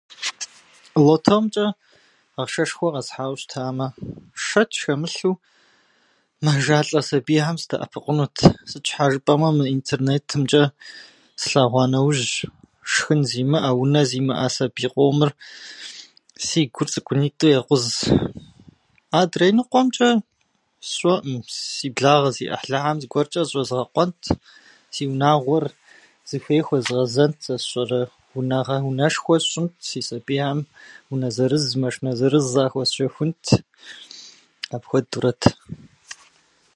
Лотомчӏэ ахъшэшхуэ къэсхьауэ щытамэ, шэч хэмылъу, мэжалӏэ сабийхьэм сыдэӏэпыкъунут. Сыт щхьа жыпӏэмэ, мы интернетымчӏэ слъэгъуа нэужь шхын зимыӏэ, унэ зимыӏэ сабий къомыр, си гур цӏыкӏунитӏэу екъуз. Адрей ныкъуэмчӏэ сщӏэӏым, си благъэ, си ӏыхьлыхьэм зыгуэрчӏэ зыщӏэзгъэкъуэнт, си унагъуэр зыхуей хуэзгъэзэнт, сэ сщӏэрэ. унагъэ- Унэшхуэ сщӏынт, сабийхьэм унэ зырыз, маршынэ зырыз къахуэсщэхунт. Апхуэдурэт.